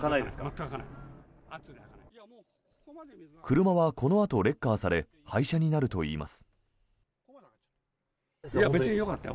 車はこのあと、レッカーされ廃車になるといいます。